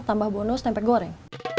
tambah bonus tempe goreng